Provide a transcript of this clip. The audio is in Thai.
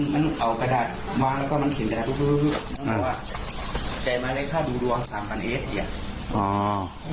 มันเอากระดาษวางแล้วก็มันเขียนกระดาษตรงที่รูปตอนเนี่ย